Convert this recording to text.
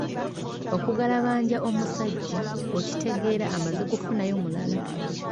Okugalabanja omusajja okitegeera amaze kufunayo mulala.